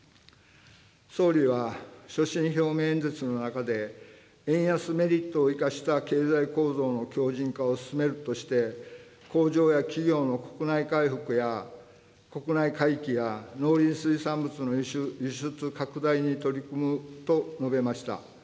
総理は、所信表明演説の中で、円安メリットを生かした経済構造の強じん化を進めるとして、工場や企業の国内回復や、国内回帰や農林水産物の輸出拡大に取り組むと述べました。